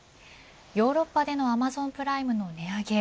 ヨーロッパでのアマゾンプライムの値上げ